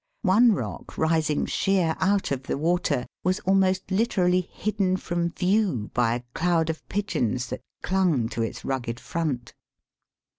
One rock rising sheer out of the water was almost literally hidden from view by a cloud of pigeons that clung to its rugged front.